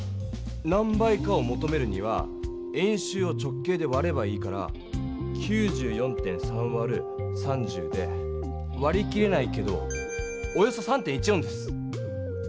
何倍かをもとめるには円周を直径でわればいいから９４．３わる３０でわり切れないけどおよそ３．１４です。